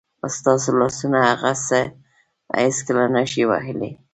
ستاسو لاسونه هغه څه هېڅکله نه شي وهلی.